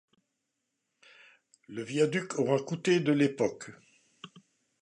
Le viaduc aura couté de l'époque.